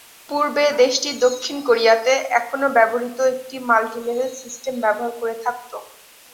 পূর্বে, দেশটি দক্ষিণ কোরিয়াতে এখনও ব্যবহৃত একটি মাল্টি-লেভেল সিস্টেম ব্যবহার করে থাকত।